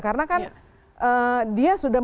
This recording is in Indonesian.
karena kan dia sudah